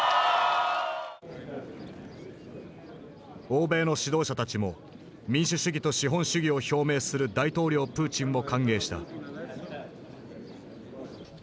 欧米の指導者たちも民主主義と資本主義を表明する大統領プーチンを歓迎した。